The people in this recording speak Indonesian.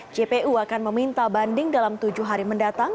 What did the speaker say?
jpu akan meminta banding dalam tujuh hari mendatang